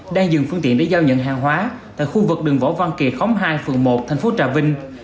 đang dừng phương tiện để giao nhận hàng hóa tại khu vực đường võ văn kỳ khóng hai phường một thành phố trà vinh